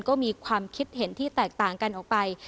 ก็มีความคิดเห็นที่แตกต่างกันออกไป